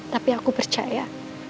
tapi aku percaya